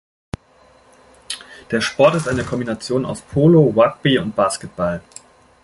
Der Sport ist eine Kombination aus Polo, Rugby und Basketball.